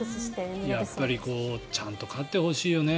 やっぱりちゃんと飼ってほしいよね。